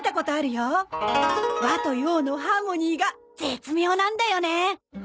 和と洋のハーモニーが絶妙なんだよね。